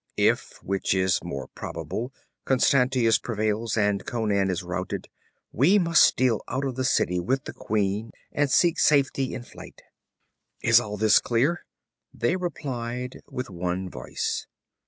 If, which is more probable, Constantius prevails, and Conan is routed, we must steal out of the city with the queen and seek safety in flight. 'Is all clear?' They replied with one voice.